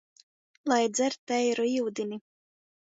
Lai dzer teiru iudini!